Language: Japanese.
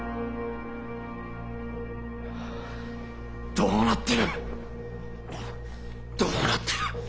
・どうなってる？どうなってる。